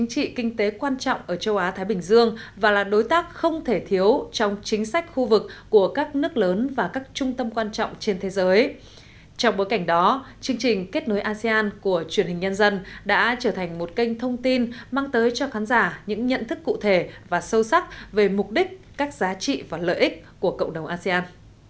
chương trình nhân dân đã trở thành một kênh thông tin mang tới cho khán giả những nhận thức cụ thể và sâu sắc về mục đích các giá trị và lợi ích của cộng đồng asean